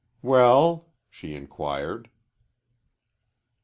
"Well?" she inquired.